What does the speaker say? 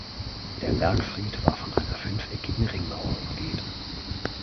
Der Bergfried war von einer fünfeckigen Ringmauer umgeben.